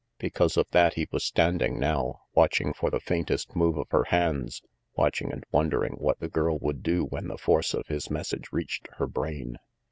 Because of that he was standing now, watching for the faintest move of her hands, watching and wondering what the girl would do when the force of his message reached her brain.